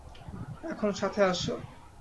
এখন সাথে আসো।